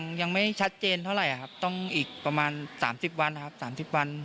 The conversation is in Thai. ยังไม่ชัดเจนเท่าไหร่ครับต้องอีกประมาณ๓๐วันนะครับ๓๐วัน